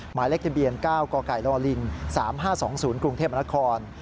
หมายเลขทะเบียน๙กไก่ลิง๓๕๒๐กรุงเทพมนคร